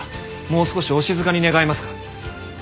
もう少しお静かに願えますか？